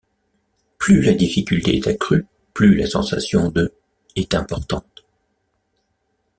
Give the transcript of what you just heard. Plus la difficulté est accrue, plus la sensation de ' est importante.